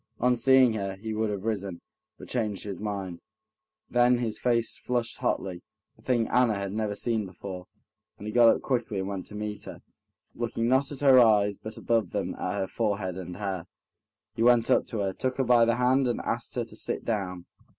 On seeing her, he would have risen, but changed his mind, then his face flushed hotly—a thing Anna had never seen before, and he got up quickly and went to meet her, looking not at her eyes, but above them at her forehead and hair. He went up to her, took her by the hand, and asked her to sit down.